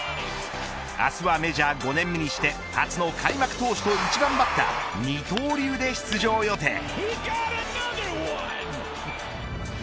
明日はメジャー５年目にして初の開幕投手と１番バッター二刀流で出場予定。